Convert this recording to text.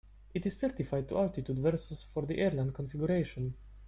It is certified to altitude versus for the airline configuration.